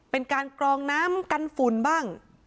เป็นการกรองน้ำกันฝุ่นบ้าง